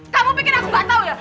kamu pikir aku gak tau ya